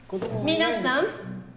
皆さん！